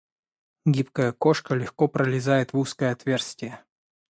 Гибкая кошка легко пролезает в узкое отверстие.